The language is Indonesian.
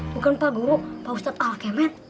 bukan pak guru pak ustadz al kemet